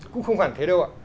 cũng không phải thế đâu ạ